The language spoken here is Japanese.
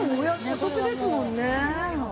お得ですもんね。